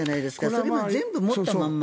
それも全部持ったまんま。